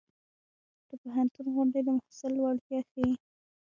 د پوهنتون غونډې د محصل وړتیا ښيي.